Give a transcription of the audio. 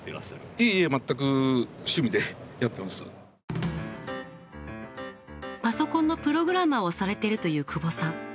いいえ全くパソコンのプログラマーをされてるという久保さん。